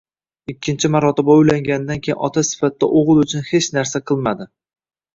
Ikkinchi marotaba uylanganidan keyin ota sifatida o'g'li uchun hech narsa qilmadi.